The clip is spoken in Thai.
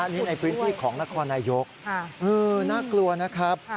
นี่ในพื้นที่ของนครนายกน่ากลัวนะครับ